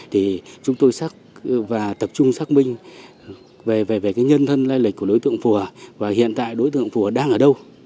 thì chúng tôi xác và tập trung xác minh về về cái nhân thân lai lịch của đối tượng phùa và hiện tại đối tượng phùa đang ở đâu